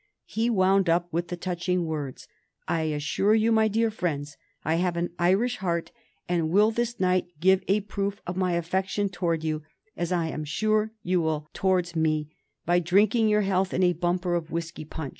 He wound up with the touching words, "I assure you, my dear friends, I have an Irish heart, and will this night give a proof of my affection towards you, as I am sure you will towards me, by drinking your health in a bumper of whiskey punch."